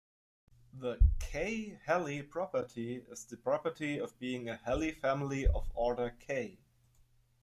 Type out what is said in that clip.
The "k"-Helly property is the property of being a Helly family of order "k".